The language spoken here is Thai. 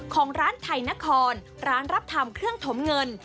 ของร้านไทยนครร้านรับทำเครื่องถมเงิน